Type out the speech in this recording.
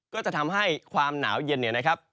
ก็จะทำให้ความหนาวเย็นเนี่ยนะครับ